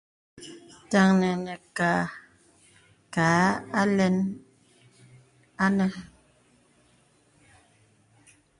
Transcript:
Taŋi nī kǎ ālɛn anə̄.